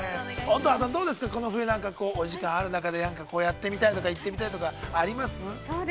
◆乙葉さん、この冬なんか、お時間がある中で、やってみたいとか、行ってみたいとかありますか。